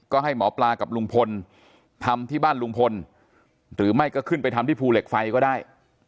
ก็ให้หมอปลากับลุงพลทำที่บ้านลุงพลหรือไม่ก็ขึ้นไปทำที่ภูเหล็กไฟก็ได้